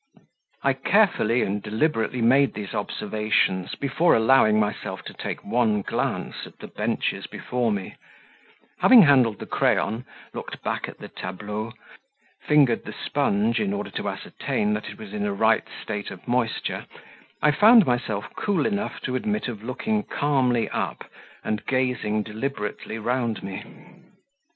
I carefully and deliberately made these observations before allowing myself to take one glance at the benches before me; having handled the crayon, looked back at the tableau, fingered the sponge in order to ascertain that it was in a right state of moisture, I found myself cool enough to admit of looking calmly up and gazing deliberately round me.